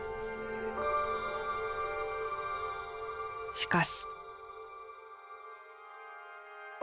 しかし。